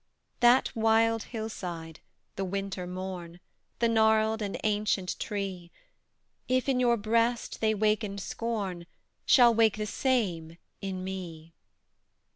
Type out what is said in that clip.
That wild hill side, the winter morn, The gnarled and ancient tree, If in your breast they waken scorn, Shall wake the same in me.